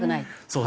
そう。